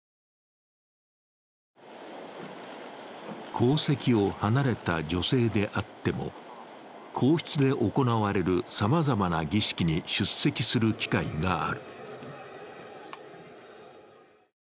皇籍を離れた女性であっても皇室で行われるさまざまな儀式に出席する機会がある。